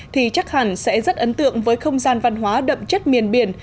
thì chắc hẳn sẽ rất ấn tượng với không gian văn hóa đậm chất miền biển